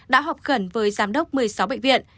đã họp khẩn với giám đốc một mươi sáu bệnh viện